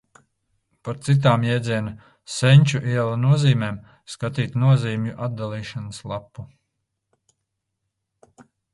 Par citām jēdziena Senču iela nozīmēm skatīt nozīmju atdalīšanas lapu.